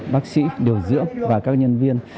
bác sĩ điều dưỡng và các nhân viên